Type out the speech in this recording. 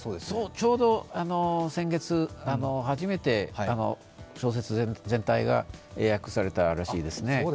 ちょうど先月、始めて小説が英訳されたらしいですね。